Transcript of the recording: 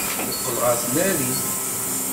Yeqqel ɣer tnarit.